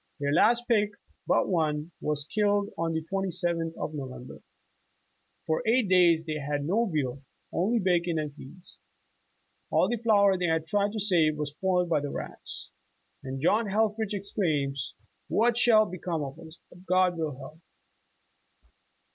Their last pig but one was killed on the 27th of November. For eight days they had had no veal, only bacon and pease. All the flour they had tried to save was spoiled by the rats, and John Helffrich exclaims, ''Wliat shall b*^' come of us ! But God will help.